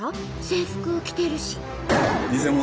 制服着てるし。